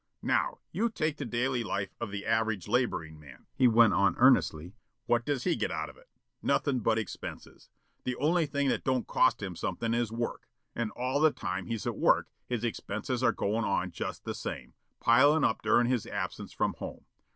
"Now, you take the daily life of the average laboring man," he went on earnestly. "What does he get out of it? Nothin' but expenses. The only thing that don't cost him something is work. And all the time he's at work his expenses are goin' on just the same, pilin' up durin' his absence from home.